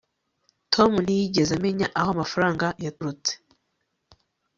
tom ntiyigeze amenya aho amafaranga yaturutse